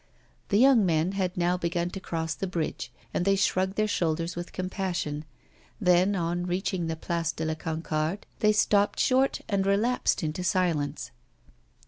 The young men had now begun to cross the bridge, and they shrugged their shoulders with compassion. Then, on reaching the Place de la Concorde, they stopped short and relapsed into silence.